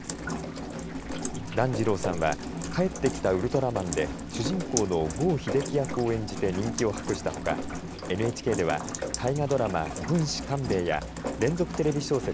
団時朗さんは帰ってきたウルトラマンで主人公の郷秀樹役を演じて人気を博したほかＮＨＫでは大河ドラマ軍師官兵衛や連続テレビ小説